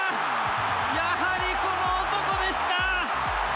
やはりこの男でした！